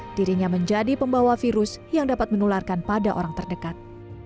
dirinya menjadi pembawa virus yang dapat menularkan pada orang terdekat